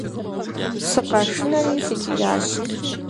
Сыкъэшынэри, сыкӀиящ.